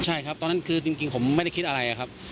ใช่ครับตอนนั้นคือจริงผมไม่ได้คิดอะไรครับ